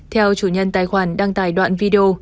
theo chủ nhân tài khoản đăng tài đoạn video